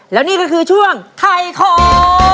แล้วนี่ก็คือช่วงถ่ายของ